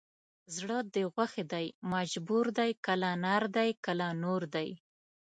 زړه د غوښې دی مجبور دی کله نار دی کله نور دی